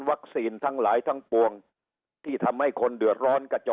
ทั้งหลายทั้งปวงที่ทำให้คนเดือดร้อนกระจอง